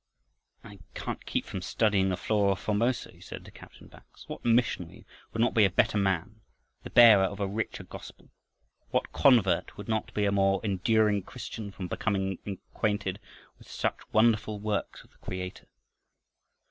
"I can't keep from studying the flora of Formosa," he said to Captain Bax. "What missionary would not be a better man, the bearer of a richer gospel, what convert would not be a more enduring Christian from becoming acquainted with such wonderful works of the Creator?"